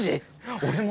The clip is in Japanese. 俺も。